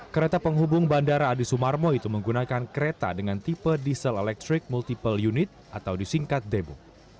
kereta penghubung bandara adi sumarmo itu menggunakan kereta dengan tipe diesel electric multiple unit atau disingkat debu